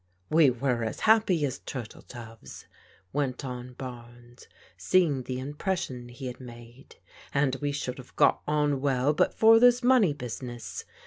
" We were as happy as turtle doves/' went on Barnes, seeing the impression he had made, " and we should have got on well but for this money business.